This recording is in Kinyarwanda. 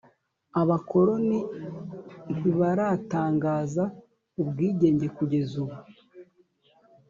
abakoloni ntibaratangaza ubwigenge kugeza ubu.